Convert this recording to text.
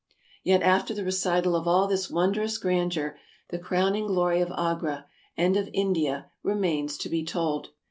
Yet after the recital of all this wondrous grandeur the crowning glory of Agra and of India remains to be told.